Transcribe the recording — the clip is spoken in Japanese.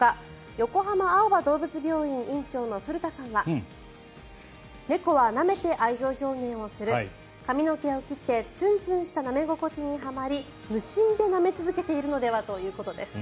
横浜青葉どうぶつ病院院長の古田さんは猫はなめて愛情表現をする髪の毛を切ってツンツンしたなめ心地にはまり無心でなめ続けているのではということです。